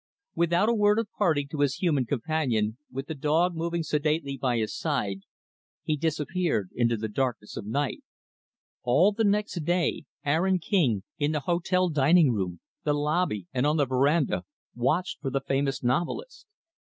Without a word of parting to his human companion with the dog moving sedately by his side, he disappeared into the darkness of the night. All the next day, Aaron King in the hotel dining room, the lobby, and on the veranda watched for the famous novelist.